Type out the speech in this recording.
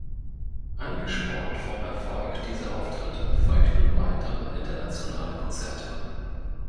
Angespornt vom Erfolg dieser Auftritte folgten weitere, internationale Konzerte.